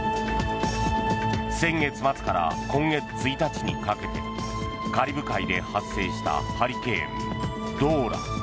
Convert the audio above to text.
先月末から今月１日にかけてカリブ海で発生したハリケーンドーラ。